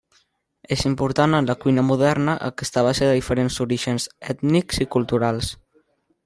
És important, en la cuina moderna, aquesta base de diferents orígens ètnics i culturals.